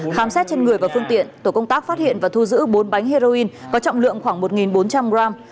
khám xét trên người và phương tiện tổ công tác phát hiện và thu giữ bốn bánh heroin có trọng lượng khoảng một bốn trăm linh gram